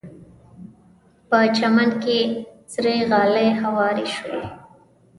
په چمن کې سرې غالۍ هوارې شوې.